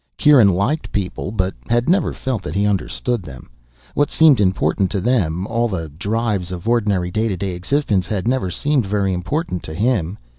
Kieran liked people, but had never felt that he understood them. What seemed important to them, all the drives of ordinary day to day existence, had never seemed very important to him.